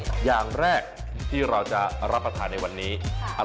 เอาล่ะเดินทางมาถึงในช่วงไฮไลท์ของตลอดกินในวันนี้แล้วนะครับ